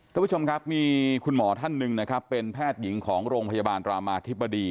ท่านผู้ชมครับมีคุณหมอท่านหนึ่งนะครับเป็นแพทย์หญิงของโรงพยาบาลรามาธิบดี